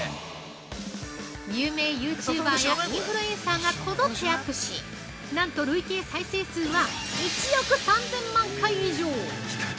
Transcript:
有名ユーチューバーやインフルエンサーがこぞってアップしなんと累計再生数は１億３０００万回以上！